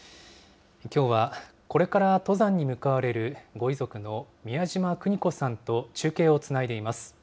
きょうはこれから登山に向かわれるご遺族の美谷島邦子さんと中継をつないでいます。